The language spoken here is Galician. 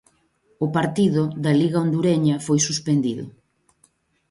O partido, da Liga hondureña, foi suspendido.